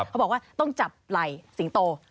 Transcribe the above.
เขาบอกว่าต้องจับไหล่สิงโต